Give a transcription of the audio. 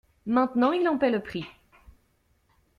Maintenant il en paie le prix.